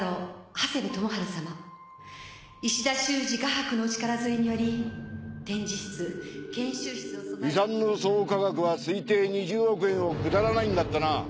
長谷部知治様石田修二画伯のお力添えにより展示室研修室を遺産の総価額は推定２０億円をくだらないんだったな。